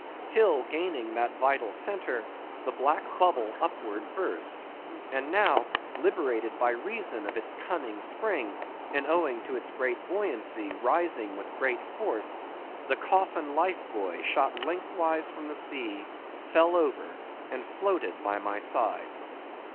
Till, gaining that vital centre, the black bubble upward burst; and now, liberated by reason of its cunning spring, and, owing to its great buoyancy, rising with great force, the coffin life buoy shot lengthwise from the sea, fell over, and floated by my side.